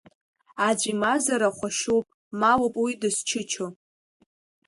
Аӡә имазара хәашьуп, малуп уи дызчычо…